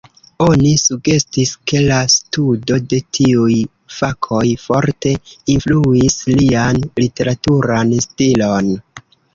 Oni sugestis ke la studo de tiuj fakoj forte influis lian literaturan stilon.